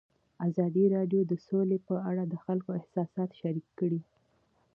ازادي راډیو د سوله په اړه د خلکو احساسات شریک کړي.